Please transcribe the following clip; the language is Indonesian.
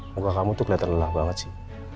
muka kamu tuh kelihatan lelah banget sih